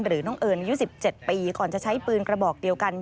น้องเอิญอายุ๑๗ปีก่อนจะใช้ปืนกระบอกเดียวกัน